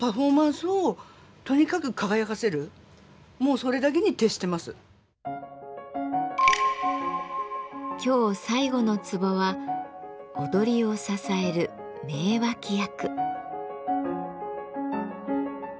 その方たちの今日最後の壺は「踊りを支える名脇役」。